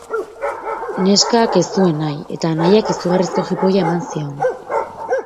Neskak ez zuen nahi eta anaiak izugarrizko jipoia eman zion.